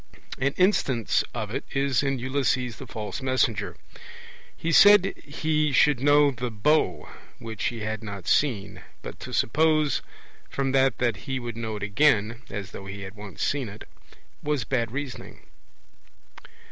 An instance of it is in Ulysses the False Messenger: he said he should know the bow which he had not seen; but to suppose from that that he would know it again (as though he had once seen it) was bad reasoning.